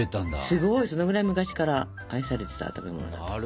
すごいそのくらい昔から愛されてた食べ物だったんだね。